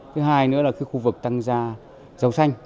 thứ hai nữa là cái khu vực tăng gia rau xanh